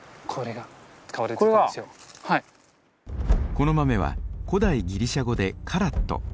この豆は古代ギリシャ語でカラット。